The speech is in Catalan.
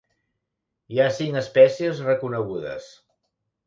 Hi ha cinc espècies reconegudes.